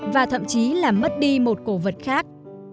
và thậm chí làm mất đi một khu vực